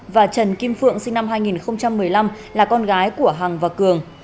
và trần kim phượng sinh năm hai nghìn một mươi năm là con gái của hằng và cường